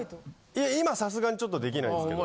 今さすがにちょっとできないですけど。